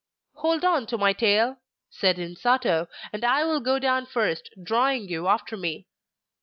'Hold on to my tail,' said Insato, 'and I will go down first, drawing you after me.